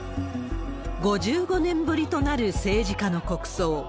５５年ぶりとなる政治家の国葬。